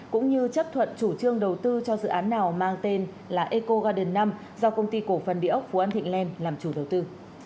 cũng như chấp thuận chủ trương đầu tư cho dự án nào mang tên là ecogade năm do công ty cổ phần địa ốc phú an thịnh lan làm chủ đầu tư